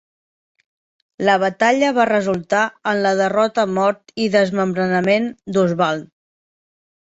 La batalla va resultar en la derrota, mort i desmembrament d'Osvald.